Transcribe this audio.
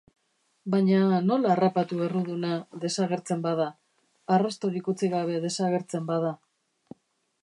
Baina nola harrapatu erruduna, desagertzen bada, arrastorik utzi gabe desagertzen bada?